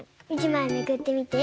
１まいめくってみて。